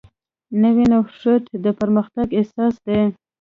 نوی نوښت د پرمختګ اساس دی